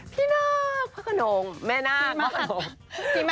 พี่มากพระขนมแม่นางพระขนม